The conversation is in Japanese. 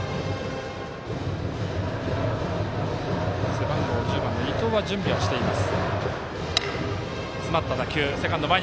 背番号１０番の伊藤は準備はしています。